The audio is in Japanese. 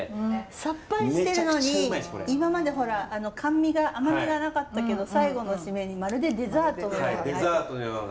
さっぱりしてるのに今までほら甘味が甘みがなかったけど最後の〆にまるでデザートのような。